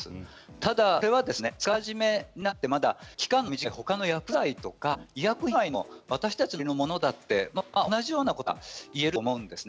ただそれは使い始めになってまだ期間の短いほかの薬剤とか医薬品以外の私たちの周りのものだって同じようなことが言えると思うんですね。